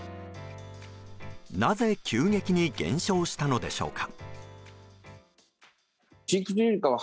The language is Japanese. なぜ急激に減少したのでしょうか。